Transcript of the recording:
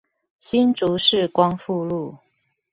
新竹市光復路